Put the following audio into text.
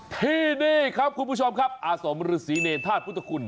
ที่นี่ครับคุณผู้ชมครับอาสมฤษีเนรธาตุพุทธคุณ